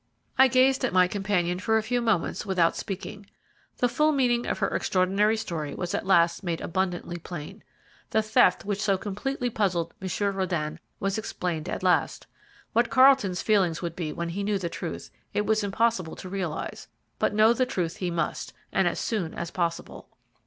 I gazed at my companion for a few moments without speaking. The full meaning of her extraordinary story was at last made abundantly plain. The theft which had so completely puzzled Monsieur Röden was explained at last. What Carlton's feelings would be when he knew the truth, it was impossible to realize; but know the truth he must, and as soon as possible.